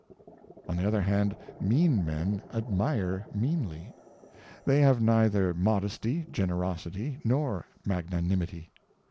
On the other hand, mean men admire meanly. They have neither modesty, generosity, nor magnanimity.